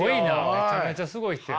めちゃめちゃすごい人や。